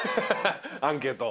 アンケート？